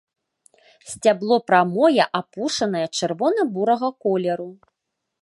Сцябло прамое, апушанае, чырвона-бурага колеру.